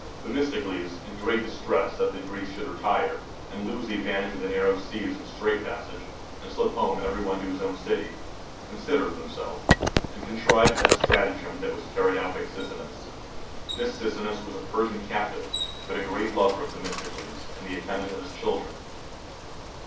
Themistocles, in great distress that the Greeks should retire, and lose the advantage of the narrow seas and strait passage, and slip home every one to his own city, considered with himself, and contrived that stratagem that was carried out by Sicinnus. This Sicinnus was a Persian captive, but a great lover of Themistocles, and the attendant of his children.